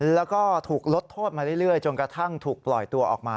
แล้วก็ถูกลดโทษมาเรื่อยจนกระทั่งถูกปล่อยตัวออกมา